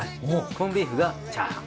コンビーフがチャーハン。